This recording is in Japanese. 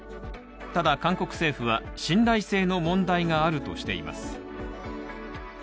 ただ韓国政府は信頼性の問題があるとしています。